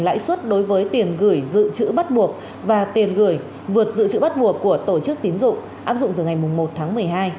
lãi suất đối với tiền gửi dự trữ bắt buộc và tiền gửi vượt dự trữ bắt buộc của tổ chức tín dụng áp dụng từ ngày một tháng một mươi hai